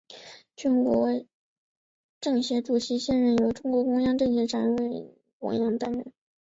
全国政协主席现在由中共中央政治局常委汪洋担任。